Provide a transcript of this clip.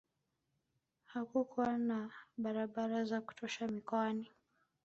hakukuwa na barabara za kutosha mikoani